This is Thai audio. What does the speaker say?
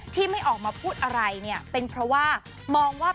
ที่ไม่ออกมาพูดอะไรเนี่ยเป็นเพราะว่ามองว่า